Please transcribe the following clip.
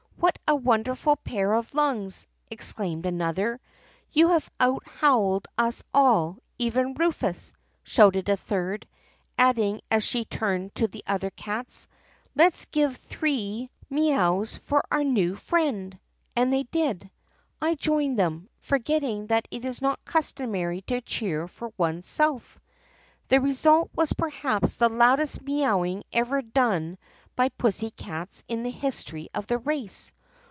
" 'What a wonderful pair of lungs!' exclaimed another. "'You have out howled us all — even Rufus!' shouted a third, adding as she turned to the other cats, 'Let 's give three The Princess Mee owing on Violet's Back Fence THE PUSSYCAT PRINCESS 27 mee ows for our new friend!' And they did. I joined them, forgetting that it is not customary to cheer for oneself. The result was perhaps the loudest mee owing ever done by pussy cats in the history of the race.